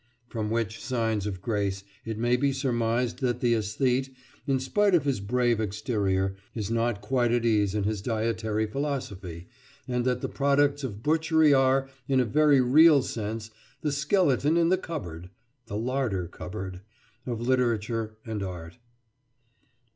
From which signs of grace it may be surmised that the æsthete, in spite of his brave exterior, is not quite at ease in his dietetic philosophy, and that the products of butchery are, in a very real sense, the "skeleton in the cupboard" (the larder cupboard) of literature and art.